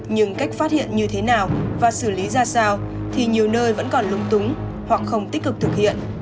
nhưng cách phát hiện như thế nào và xử lý ra sao thì nhiều nơi vẫn còn lung túng hoặc không tích cực thực hiện